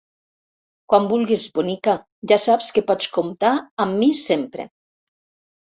Quan vulguis, bonica, ja saps que pots comptar amb mi sempre.